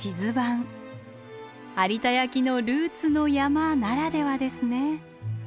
有田焼のルーツの山ならではですね。